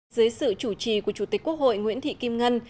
dưới sự chủ trì của chủ tịch quốc hội nguyễn thị kim ngân